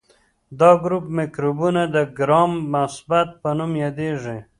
دا ګروپ مکروبونه د ګرام مثبت په نوم یادیږي.